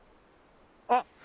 あっ！